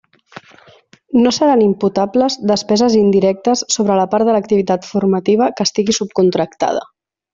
No seran imputables despeses indirectes sobre la part de l'activitat formativa que estigui subcontractada.